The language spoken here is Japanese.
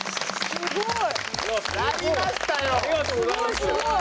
すごい。